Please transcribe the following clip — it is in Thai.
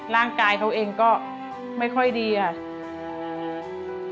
ร่างกายเขาเองก็ไม่ค่อยดีค่ะ